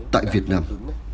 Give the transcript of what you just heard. tại việt nam